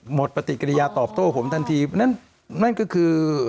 หมดประติกริยาตอบโต้ผมทันทีนั่นก็คือ